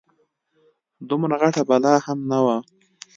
دومره غټه بلا هم نه وه.